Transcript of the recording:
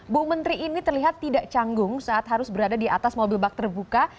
bu menteri ini terlihat tidak canggung saat harus berada di atas mobil bak terbuka